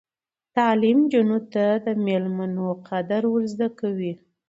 تعلیم نجونو ته د میلمنو قدر ور زده کوي.